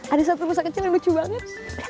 ada satu usaha kecil yang lucu banget